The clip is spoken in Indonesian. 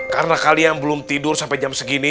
karena kalian belum tidur sampai jam segini